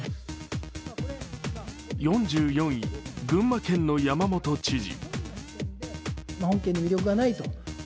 ４４位、群馬県の山本知事。